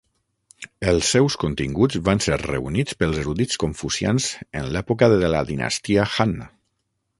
Els seus continguts van ser reunits pels erudits confucians en l'època de la dinastia Han.